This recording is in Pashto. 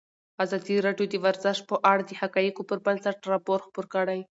ازادي راډیو د ورزش په اړه د حقایقو پر بنسټ راپور خپور کړی.